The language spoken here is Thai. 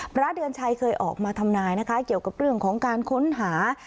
พระเดือนชัยเคยออกมาทำนายนะคะเกี่ยวกับเรื่องของการค้นหา